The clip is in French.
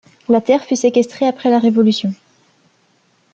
La terre fut séquestrée après la Révolution.